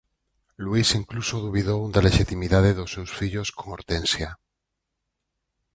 Luís incluso dubidou da lexitimidade dos seus fillos con Hortensia.